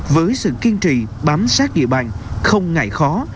với sự kiên trì bám sát địa bàn không ngại khó